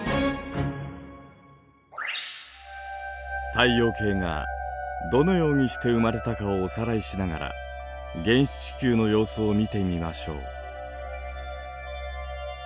太陽系がどのようにして生まれたかをおさらいしながら原始地球の様子を見てみましょう。